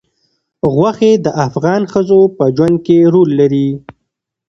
غوښې د افغان ښځو په ژوند کې رول لري.